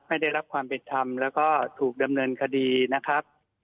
ไม่ได้รับความเป็นธรรมแล้วก็ถูกดำเนินคดีนะครับ